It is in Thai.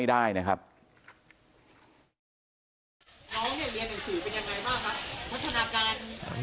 เป็นมีดปลายแหลมยาวประมาณ๑ฟุตนะฮะที่ใช้ก่อเหตุ